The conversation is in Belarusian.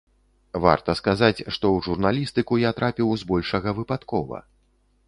Варта сказаць, што ў журналістыку я трапіў збольшага выпадкова.